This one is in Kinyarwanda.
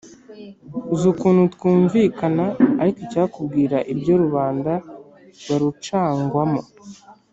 uzi ukuntu twumvikana ariko icyakubwira ibyo rubanda barocangwamo.